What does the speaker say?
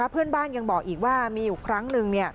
เพื่อนบ้านยังบอกอีกว่ามีอยู่ครั้งหนึ่ง